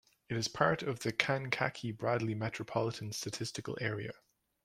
It is part of the Kankakee-Bradley Metropolitan Statistical Area.